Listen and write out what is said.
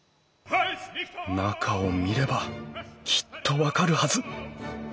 中を見ればきっと分かるはず。